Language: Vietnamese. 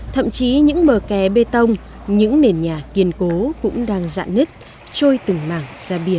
thậm chí những bờ kè bê tông những nền nhà kiên cố cũng đang dạ nứt trôi từng mảng ra biển